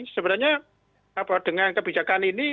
sebenarnya dengan kebijakan ini